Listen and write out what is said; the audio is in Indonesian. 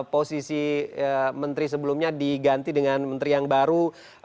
posisi menteri sebelumnya diganti dengan menteri yang baru